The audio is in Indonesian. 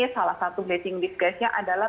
salah satu blessing this guysnya adalah